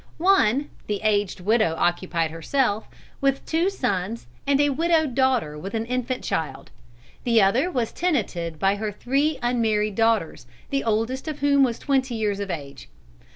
One, the aged widow occupied herself, with two sons and a widowed daughter with an infant child; the other was tenanted by her three unmarried daughters, the oldest of whom was twenty years of age.